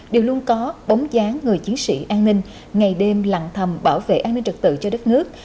đều luôn có bóng dáng người chiến sĩ an ninh ngày đêm lặng thầm bảo vệ an ninh trật tự cho đất nước